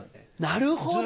なるほど！